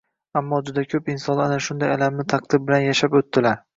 Ammo juda ko`p insonlar ana shunday alamli taqdir bilan yashab o`tdilar